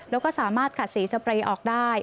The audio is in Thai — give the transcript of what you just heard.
แล้วก็สามารถขัดสีสเปรย์ออกได้